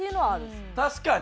確かに。